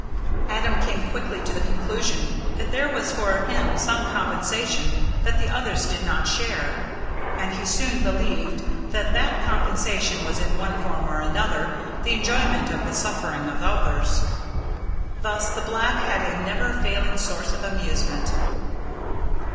Adam came quickly to the conclusion that there was for him some compensation that the others did not share; and he soon believed that that compensation was in one form or another the enjoyment of the sufferings of others. Thus the black had a never failing source of amusement.